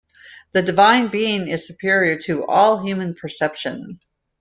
The Divine Being is superior to all human perception.